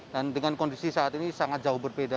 dan dengan kondisi saat ini sangat jauh berbeda